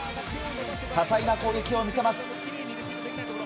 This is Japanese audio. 多彩な攻撃を見せます。